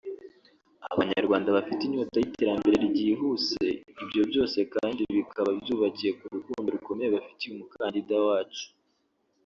Abanyarwanda bafite inyota y’iterambere ryihuse ibyo byose kandi bikaba byubakiye ku rukundo rukomeye bafitiye umukandida wacu